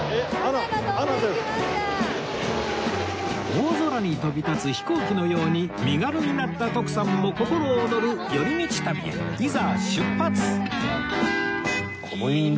大空に飛び立つ飛行機のように身軽になった徳さんも心躍る寄り道旅へいざ出発！